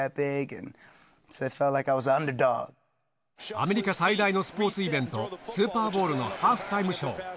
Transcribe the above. アメリカ最大のスポーツイベント、スーパーボウルのハーフタイムショー。